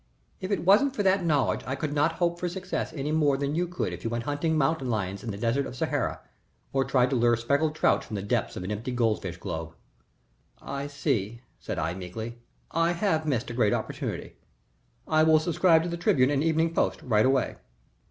If it wasn't for that knowledge I could not hope for success any more than you could if you went hunting mountain lions in the Desert of Sahara, or tried to lure speckled trout from the depths of an empty goldfish globe." "I see," said I, meekly. "I have missed a great opportunity. I will subscribe to the Tribune and Evening Post right away."